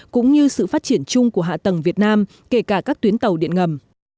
cũng như sự phát triển chung của hạ tầng việt nam kể cả các tuyến tàu điện ngầm